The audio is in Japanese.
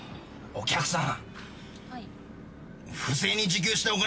お客さん